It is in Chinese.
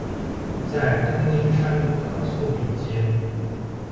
在东京山谷的宿民街。